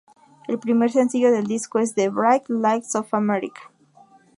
El primer sencillo del disco es "The Bright Lights of America".